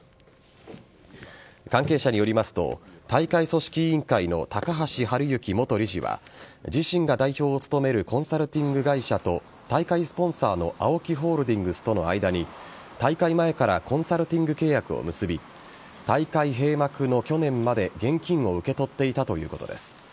関係者によりますと大会組織委員会の高橋治之元理事は自身が代表を務めるコンサルティング会社と大会スポンサーのＡＯＫＩホールディングスとの間に大会前からコンサルティング契約を結び大会閉幕の去年まで現金を受け取っていたということです。